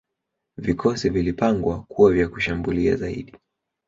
vikosi vilipangwa kuwa vya kushambulia zaidi